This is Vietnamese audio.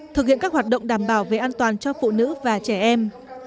thực hiện các hoạt động đảm bảo về an toàn cho phụ nữ và trẻ em